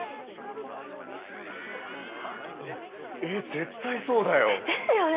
うわっえ絶対そうだよ！ですよね！